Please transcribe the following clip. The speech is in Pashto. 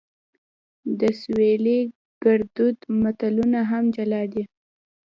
د سویلي ګړدود متلونه هم جلا دي